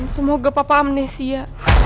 semoga papa amnesia